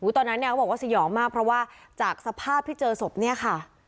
ตอนนั้นเนี่ยเขาบอกว่าสยองมากเพราะว่าจากสภาพที่เจอศพเนี่ยค่ะ